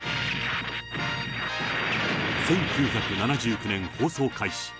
１９７９年放送開始。